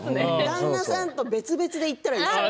旦那さんと別々で行ったらいいね。